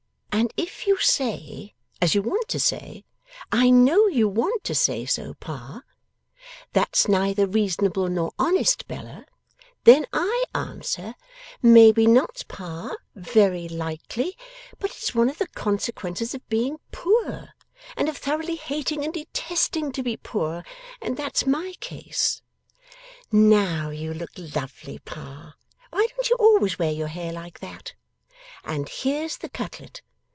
And if you say (as you want to say; I know you want to say so, pa) "that's neither reasonable nor honest, Bella," then I answer, "Maybe not, pa very likely but it's one of the consequences of being poor, and of thoroughly hating and detesting to be poor, and that's my case." Now, you look lovely, pa; why don't you always wear your hair like that? And here's the cutlet!